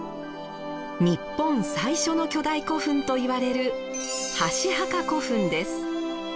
日本最初の巨大古墳といわれる箸墓古墳です。